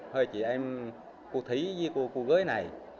hơi chị em cô thúy với cô gối này